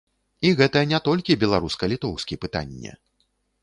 І гэта не толькі беларуска-літоўскі пытанне.